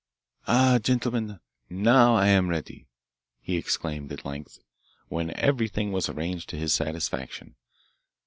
"Ah, gentlemen, now I am ready," he exclaimed at length, when everything was arranged to his satisfaction.